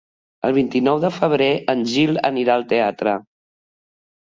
El vint-i-nou de febrer en Gil anirà al teatre.